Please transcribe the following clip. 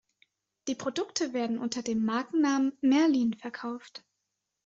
Die Produkte werden unter dem Markennamen "Merlin" verkauft.